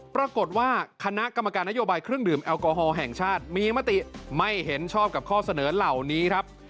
ปรากฏว่าคณะกรรมการนโยบายเครื่องดื่มแอลกอฮอลแห่งชาติมีมติไม่เห็นชอบกับข้อเสนอเหล่านี้ครับ